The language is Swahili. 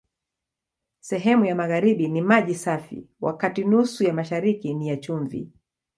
Sehemu ya magharibi ni maji safi, wakati nusu ya mashariki ni ya chumvi.